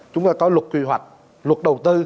chúng ta có luật quy hoạch luật đầu tư